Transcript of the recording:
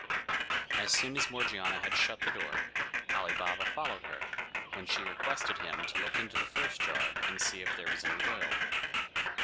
As soon as Morgiana had shut the door, Ali Baba followed her, when she requested him to look into the first jar, and see if there was any oil.